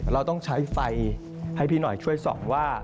เราต้องใช้ไฟให้พี่หน่อยช่วยส่องว่า